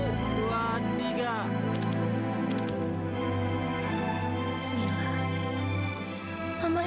suka tapi nama andaugah